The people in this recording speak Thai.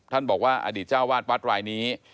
ท่านบอกว่าอดีตเจ้าวาดวัดรายนี้